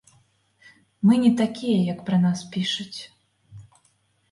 Мы не такія, як пра нас пішуць.